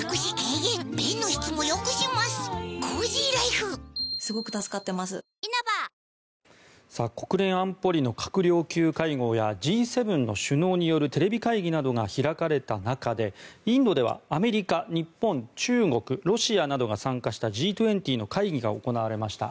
フラミンゴ国連安保理の閣僚級会合やＧ７の首脳によるテレビ会議などが開かれた中でインドではアメリカ、日本、中国ロシアなどが参加したＧ２０の会議が行われました。